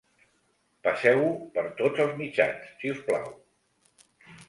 Passeu-ho per tots els mitjans, si us plau.